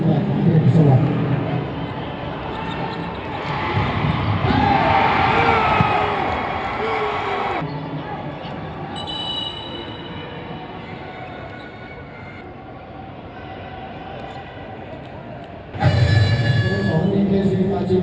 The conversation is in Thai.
กลุ่มสามารถให้อันดับสามารถช่วยอยู่ในแห่งของเรียนรับทรีย์